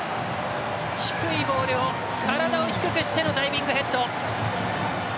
低いボールを体を低くしてのダイビングヘッド！